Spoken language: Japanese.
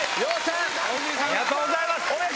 ありがとうございます！